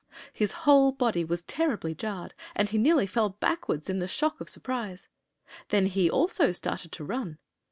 His whole body was terribly jarred and he nearly fell backward in the shock of surprise. Then he, also, started to run.